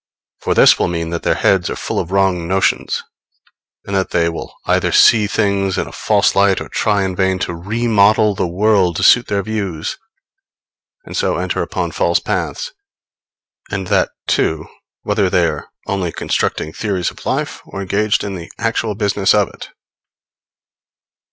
For this will mean that their heads are full of wrong notions, and that they will either see things in a false light or try in vain to remodel the world to suit their views, and so enter upon false paths; and that, too, whether they are only constructing theories of life or engaged in the actual business of it.